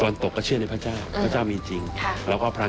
มีเรื่องราวต่างไหมถ้ามีเรื่องนี้อะไร